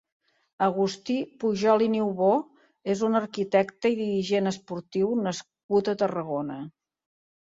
Agustí Pujol i Niubó és un arquitecte i dirigent esportiu nascut a Tarragona.